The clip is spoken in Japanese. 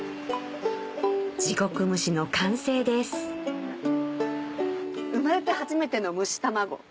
地獄蒸しの完成です生まれて初めての蒸し卵。